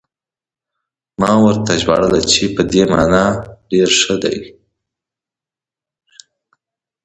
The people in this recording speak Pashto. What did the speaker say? ما ورته ژباړله چې: 'Abbastanza bene' په دې مانا چې ډېره ښه ده.